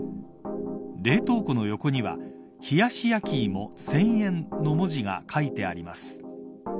冷凍庫の横には冷やし焼き芋１０００円の文字が書いてあります。